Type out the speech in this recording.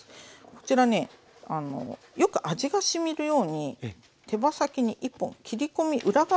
こちらねよく味がしみるように手羽先に１本切り込み裏側にね入れていきます。